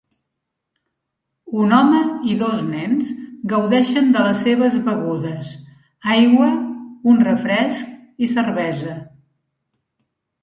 Un home i dos nens gaudeixen de les seves begudes: aigua, un refresc i cervesa.